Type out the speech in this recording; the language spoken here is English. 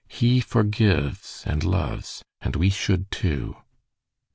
He forgives and loves, and we should, too."